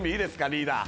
リーダー。